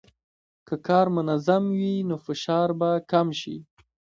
که کار منظم وي، نو فشار به کم شي.